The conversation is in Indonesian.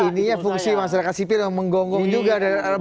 ini ya fungsi masyarakat sipil yang menggonggong juga